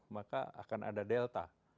maka akan ada delta